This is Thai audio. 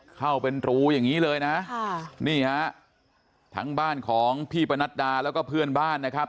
เข้าเป็นรูอย่างงี้เลยนะค่ะนี่ฮะทั้งบ้านของพี่ปนัดดาแล้วก็เพื่อนบ้านนะครับ